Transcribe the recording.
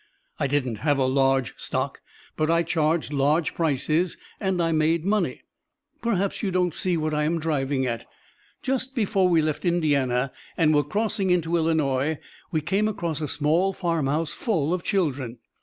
I didn't have a large stock, but I charged large prices and I made money. Perhaps you don't see what I am driving at. "Just before we left Indiana and were crossing into Illinois we came across a small farmhouse full of children.